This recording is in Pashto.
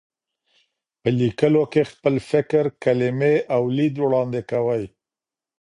په لیکلو کې خپل فکر، کلمې او لید وړاندې کوي.